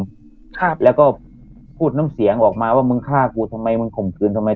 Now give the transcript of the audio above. ครับแล้วก็พูดน้ำเสียงออกมาว่ามึงฆ่ากูทำไมมึงข่มขืนทำไม